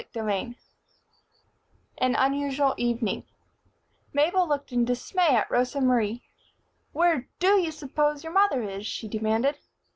CHAPTER IV An Unusual Evening MABEL looked in dismay at Rosa Marie. "Where do you s'pose your mother is?" she demanded.